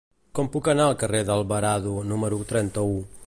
Com puc anar al carrer d'Alvarado número trenta-u?